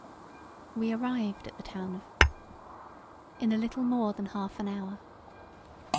We arrived at the town of in a little more than half an hour.